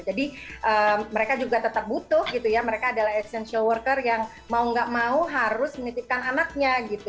jadi mereka juga tetap butuh gitu ya mereka adalah essential worker yang mau gak mau harus menitipkan anaknya gitu